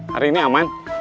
hari ini aman